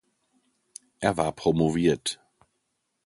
Er war promoviert.